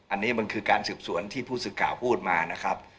อันนี้มันคือการสืบสวนที่ผู้สื่อข่าวพูดมานะครับ